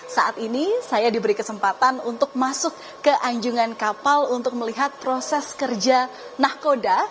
saat ini saya diberi kesempatan untuk masuk ke anjungan kapal untuk melihat proses kerja nahkoda